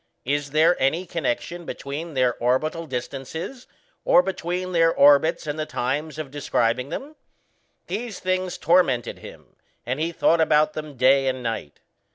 Is there any connection between their orbital distances, or between their orbits and the times of describing them? These things tormented him, and he thought about them day and night.